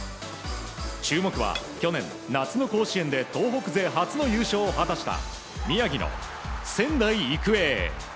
注目は去年夏の甲子園で東北勢初の優勝を果たした宮城の仙台育英。